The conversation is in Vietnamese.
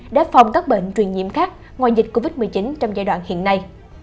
để phòng các bệnh truyền nhiễm khác ngoài dịch covid một mươi chín trong giai đoạn hiện nay